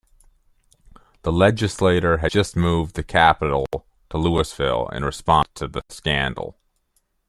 The legislature had just moved the capital to Louisville in response to the scandal.